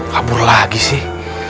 kabur lagi sih